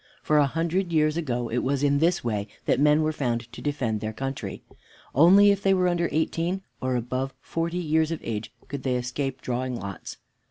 For a hundred years ago it was in this way that men were found to defend their country. Only if they were under eighteen or above forty years of age could they escape drawing lots.